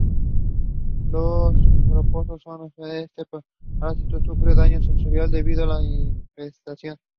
Los gastrópodos que hospedan este parásito, sufren daño sensorial debido a la infestación.